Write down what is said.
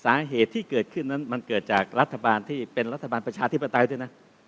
สาเหตุที่เกิดขึ้นนั้นมันเกิดจากรัฐบาลที่เป็นรัฐบาลประชาธิปไตยด้วยนะ